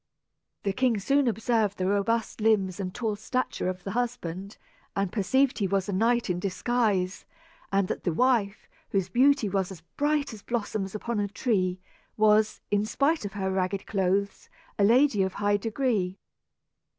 The king soon observed the robust limbs and tall stature of the husband; and perceived he was a knight in disguise, and that the wife, whose beauty was as "bright as blossoms upon tree," was, in spite of her ragged clothes, a lady of high degree.